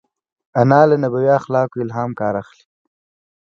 انا له نبوي اخلاقو الهام اخلي